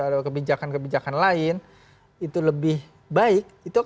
atau kebijakan kebijakan lain itu lebih baik